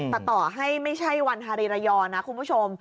แต่ต่อให้ไม่ใช่วันฮารีระยองนะคุณผู้ชม